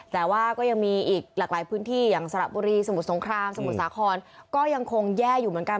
แต่ว่าก็ยังมีอีกหลากหลายพื้นที่อย่างสระบุรีสมุทรสงครามสมุทรสาครก็ยังคงแย่อยู่เหมือนกัน